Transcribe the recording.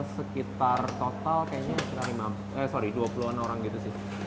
sekitar total kayaknya sekitar dua puluh an orang gitu sih